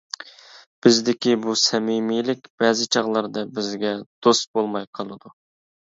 بىزدىكى بۇ سەمىمىيلىك بەزى چاغلاردا بىزگە دوست بولماي قالىدۇ.